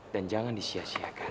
dan kita bisa menyiasiakan